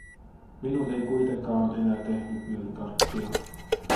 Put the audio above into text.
Minun ei kuitenkaan enää tehnyt mieli karkkia.